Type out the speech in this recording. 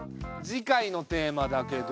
次回のテーマだけど。